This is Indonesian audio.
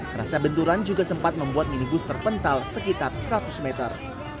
kerasa benturan juga sempat membuat minibus terpental sekitar seratus meter